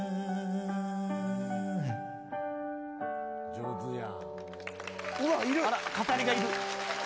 上手や。